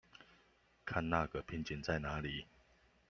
看那個瓶頸在哪裡